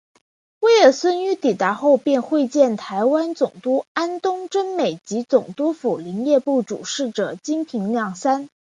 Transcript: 威尔荪于抵达后便会见台湾总督安东贞美及总督府林业部主事者金平亮三。